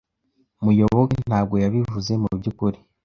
Muyoboke ntabwo yabivuze mubyukuri.